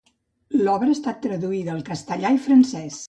L'obra ha estat traduïda al castellà i francès.